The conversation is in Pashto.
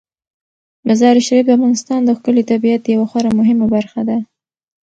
مزارشریف د افغانستان د ښکلي طبیعت یوه خورا مهمه برخه ده.